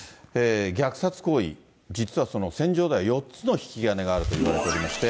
虐殺行為、実はその、戦場では４つの引き金があるといわれてまして。